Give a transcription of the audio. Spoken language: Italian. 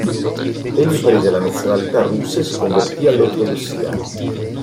Egli prese la nazionalità russa e si convertì all'ortodossia.